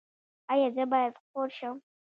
ایا زه باید خور شم؟